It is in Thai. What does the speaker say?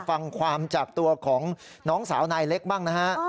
ฟังความจากตัวของน้องสาวนายเล็กบ้างนะฮะ